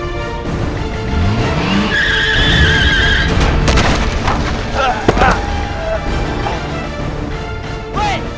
jangan jangan jangan